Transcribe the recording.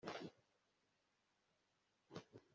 ngaho mugende mubwire abababaye